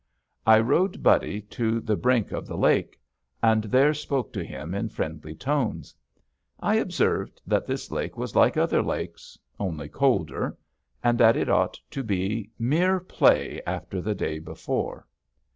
I rode Buddy to the brink of the lake, and there spoke to him in friendly tones. I observed that this lake was like other lakes, only colder, and that it ought to be mere play after the day before.